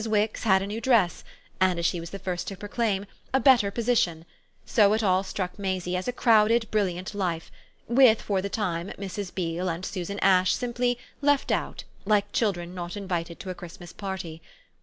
Wix had a new dress and, as she was the first to proclaim, a better position; so it all struck Maisie as a crowded brilliant life, with, for the time, Mrs. Beale and Susan Ash simply "left out" like children not invited to a Christmas party.